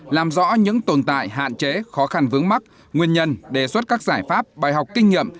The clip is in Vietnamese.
làm rõ những tồn tại hạn chế khó khăn vướng mắt nguyên nhân đề xuất các giải pháp bài học kinh nghiệm